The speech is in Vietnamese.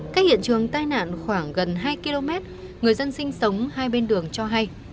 cách hiện trường tai nạn khoảng gần hai km người dân sinh sống hai bên đường cho hay